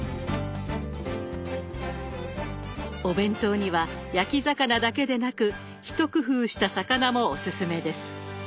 お弁当には焼き魚だけでなく一工夫した魚もおすすめです。